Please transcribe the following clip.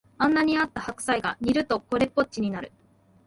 こんなにあった白菜が煮るとこれっぽっちになる